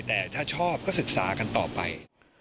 แต่ถ้าชอบก็ศึกษากันต่อไป